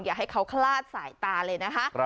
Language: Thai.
อย่าให้เขาคลาดสายตาเลยนะคะ